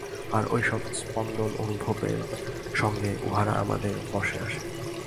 আর ঐ-সব স্পন্দন-অনুভবের সঙ্গে উহারা আমাদের বশে আসে।